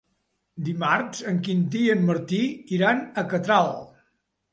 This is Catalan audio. Dimarts en Quintí i en Martí iran a Catral.